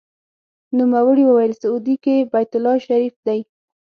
نوموړي وویل: سعودي کې بیت الله شریف دی.